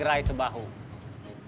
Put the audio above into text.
ini kampus sudah sempat